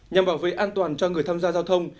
nhằm bảo vệ an toàn cho người tham gia giao thông